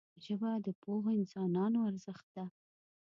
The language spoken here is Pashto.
ژبه د پوهو انسانانو ارزښت ده